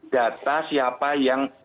data siapa yang